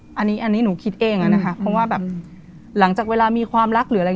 อันนี้อันนี้หนูคิดเองอะนะคะเพราะว่าแบบหลังจากเวลามีความรักหรืออะไร